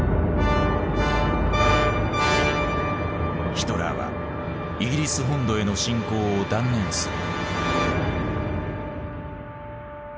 ヒトラーはイギリス本土への侵攻を断念する。